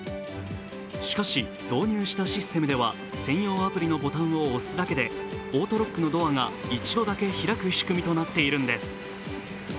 しかし、導入したシステムでは専用アプリのボタンを押すだけでオートロックのドアが１度だけ開くシステムとなっているんです。